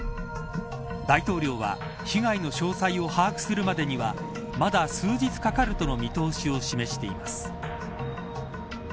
大統領は被害の詳細を把握するまでにはまだ数日かかるとの見通しを示しています。